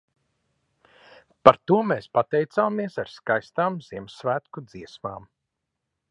Par to mēs pateicāmies ar skaistām Ziemassvētku dziesmām.